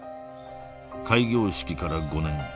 開業式から５年。